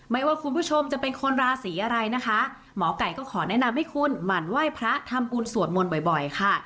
ว่าคุณผู้ชมจะเป็นคนราศีอะไรนะคะหมอไก่ก็ขอแนะนำให้คุณหมั่นไหว้พระทำบุญสวดมนต์บ่อยค่ะ